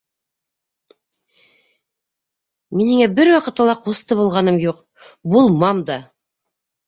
Мин һиңә бер ваҡытта ла ҡусты булғаным юҡ, булмам да!